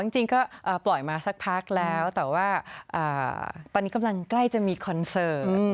จริงก็ปล่อยมาสักพักแล้วแต่ว่าตอนนี้กำลังใกล้จะมีคอนเสิร์ต